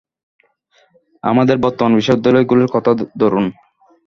আমাদের বর্তমান বিশ্ববিদ্যালয়গুলির কথা ধরুন।